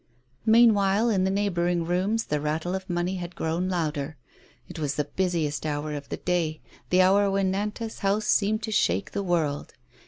Meanwhile, in the neighboring rooms the rattle of money had grown louder ; it was the busiest hour of the^ day, the hour when Nantas' house seemed to shake the world.